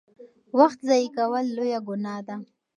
وخت ضایع کول لویه ګناه ده.